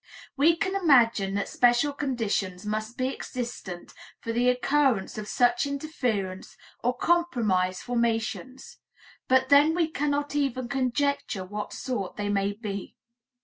We can imagine that special conditions must be existent for the occurrence of such interference or compromise formations, but then we cannot even conjecture what sort they may be.